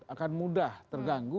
akan mudah terganggu